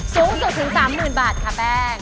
สูงสุดถึง๓๐๐๐บาทค่ะแป้ง